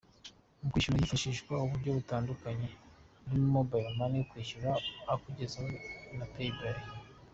Mu kwishyura hifashishwa uburyo butandukanye burimo Mobile Money, kwishyura ukugezeho na Paypal.